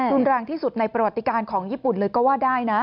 รุนแรงที่สุดในประวัติการของญี่ปุ่นเลยก็ว่าได้นะ